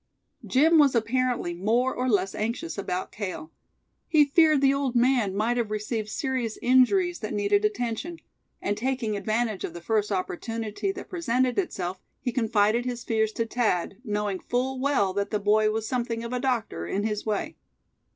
Jim was apparently more or less anxious about Cale. He feared the old man might have received serious injuries that needed attention; and taking advantage of the first opportunity that presented itself, he confided his fears to Thad, knowing full well that the boy was something of a doctor, in his way.